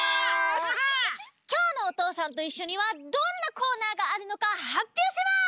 きょうの「おとうさんといっしょ」にはどんなコーナーがあるのかはっぴょうします！